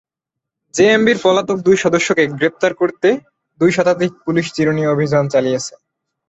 জেএমবির পলাতক দুই সদস্যকে গ্রেপ্তার করতে দুই শতাধিক পুলিশ চিরুনি অভিযান চালিয়েছে।